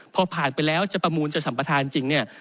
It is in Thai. พอผ่านไปแล้วจะประมูลจะสัมประธานจริงเนี่ย